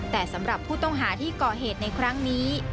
แต่สำหรับผู้ต้องหาที่ก่อเหตุในครั้งนี้